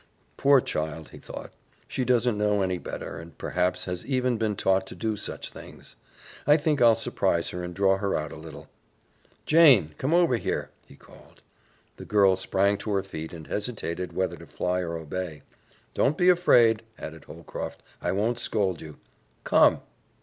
"Poor child!" he thought, "she doesn't know any better and perhaps has even been taught to do such things. I think I'll surprise her and draw her out a little. Jane, come here," he called. The girl sprang to her feet, and hesitated whether to fly or obey. "Don't be afraid," added Holcroft. "I won't scold you. Come!"